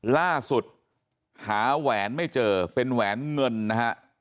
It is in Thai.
ล่าสุดหาแหวนไม่เจอเป็นแหวนเงินนะฮะ